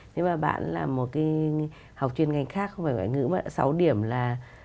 nhưng mà bạn làm một cái học chuyên ngành khác không phải ngoại ngữ mà sáu điểm là